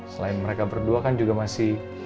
selain mereka berdua kan juga masih